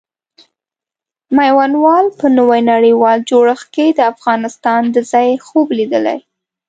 میوندوال په نوي نړیوال جوړښت کې د افغانستان د ځای خوب لیدلی.